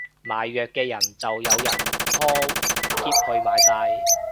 賣藥嘅就有人拖喼去買晒